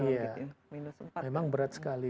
ya memang berat sekali